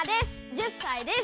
１０さいです。